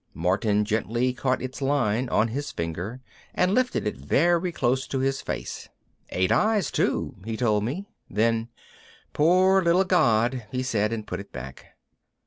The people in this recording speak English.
Martin gently caught its line on his finger and lifted it very close to his face. "Eight eyes too," he told me. Then, "Poor little god," he said and put it back.